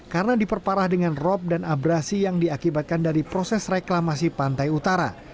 karena diperparah dengan rob dan abrasi yang diakibatkan dari proses reklamasi pantai utara